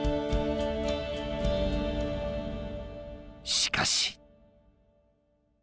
しかし。